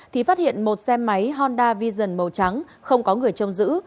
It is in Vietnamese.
thì phát hiện một xe máy honda vision màu trắng không có người trông giữ